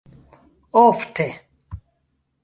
ofte